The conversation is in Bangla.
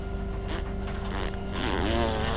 এটা একটা ড্রাগ ল্যাব।